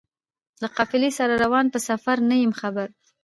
له قافلې سره روان په سفر نه یم خبر